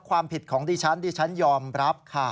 ความผิดของดิฉันดิฉันยอมรับค่ะ